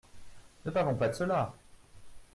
Ne parlons pas de cela !